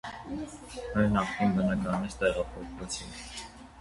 Մեր նախկին բնակարանից տեղափոխվեցինք.